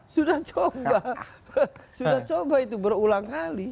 sudah coba sudah coba itu berulang kali